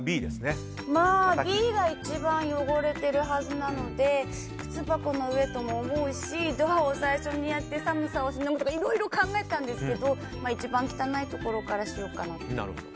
Ｂが一番汚れてるはずなので靴箱の上とも思うしドアを最初にやって寒さをしのぐとかいろいろ考えたんですけど一番汚いところからにしようかなって。